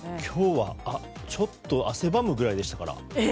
今日は、ちょっと汗ばむぐらいでしたから。